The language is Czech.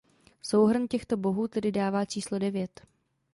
Souhrn těchto bohů tedy dává číslo devět.